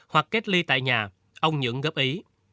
hoặc kết ly tại nhà ông nhưỡng góp ý